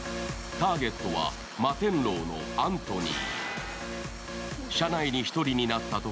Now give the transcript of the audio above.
ターゲットはマテンロウのアントニー。